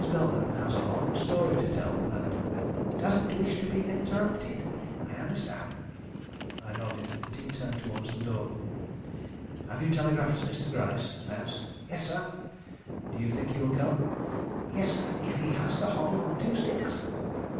Belden has a long story to tell, and " "Doesn't wish to be interrupted. I understand." I nodded and he turned towards the door. "Have you telegraphed Mr. Gryce?" I asked. "Yes, sir." "Do you think he will come?" "Yes, sir; if he has to hobble on two sticks."